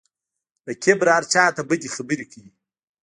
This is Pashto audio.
له کبره هر چا ته بدې خبرې کوي.